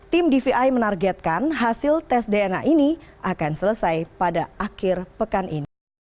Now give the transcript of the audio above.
tim dvi menargetkan hasil tes dna ini akan selesai pada akhir pekan ini